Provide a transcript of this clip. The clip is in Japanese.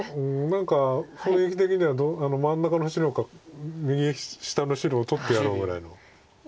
何か雰囲気的には真ん中の白か右下の白を取ってやろうぐらいの雰囲気です。